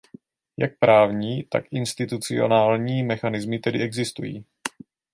Jak právní, tak institucionální mechanismy tedy existují.